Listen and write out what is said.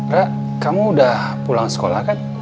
rak kamu udah pulang sekolah kan